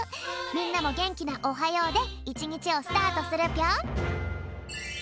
みんなもげんきな「おはよう」でいちにちをスタートするぴょん！